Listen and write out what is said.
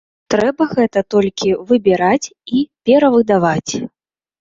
Трэба гэта толькі выбіраць і перавыдаваць.